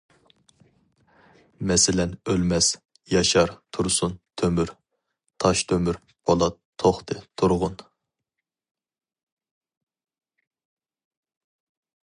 مەسىلەن: ئۆلمەس، ياشار، تۇرسۇن، تۆمۈر، تاشتۆمۈر، پولات، توختى، تۇرغۇن.